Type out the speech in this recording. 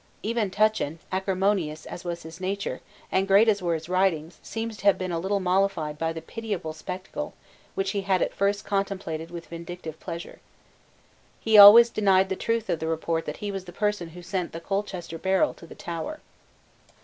Even Tutchin, acrimonious as was his nature, and great as were his wrongs, seems to have been a little mollified by the pitiable spectacle which he had at first contemplated with vindictive pleasure. He always denied the truth of the report that he was the person who sent the Colchester barrel to the Tower.